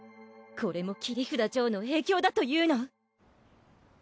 これも切札ジョーの影響だというの！？